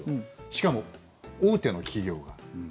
しかも、大手の企業が。